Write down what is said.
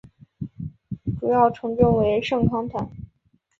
主要城镇为圣康坦。